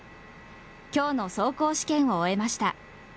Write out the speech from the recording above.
きょうの走行試験を終えました。